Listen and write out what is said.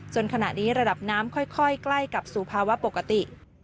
ขณะนี้ระดับน้ำค่อยใกล้กลับสู่ภาวะปกติ